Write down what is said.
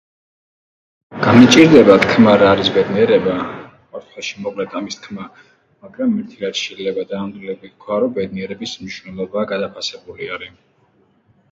გამიჭირდება თქმა, რა არის ბედნიერება, ყოველ შემთხვევაში მოკლედ ამის თქმა, მაგრამ ერთი, რაც შეიძლება დანამდვილებით ვთქვა, რომ ბედნიერების მნიშვნელობა გადაფასებული არი.